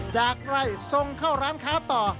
จากไร่ส่งเข้าร้านค้าต่อ